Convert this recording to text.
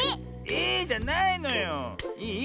「ええ？」じゃないのよ。いい？